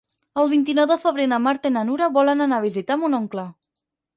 El vint-i-nou de febrer na Marta i na Nura volen anar a visitar mon oncle.